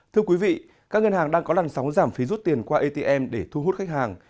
thưa quý vị các ngân hàng đang có lằn sóng giảm phí rút tiền qua atm để thu hút khách hàng